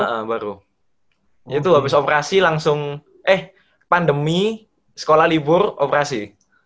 nah baru itu habis operasi langsung eh pandemi sekolah libur operasi